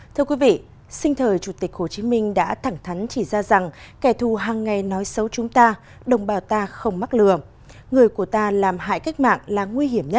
thưa quý vị sinh thời chủ tịch hồ chí minh đã thẳng thắn chỉ ra rằng kẻ thù hàng ngày nói xấu chúng ta đồng bào ta không mắc lừa